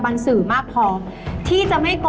สนุกสนุก